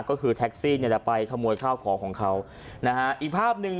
ก็คือแท็กซี่ไปขโมยข้าวของเขาอีกภาพหนึ่ง